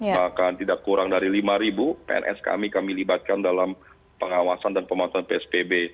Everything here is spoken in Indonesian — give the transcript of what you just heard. bahkan tidak kurang dari lima pns kami kami libatkan dalam pengawasan dan pemantauan psbb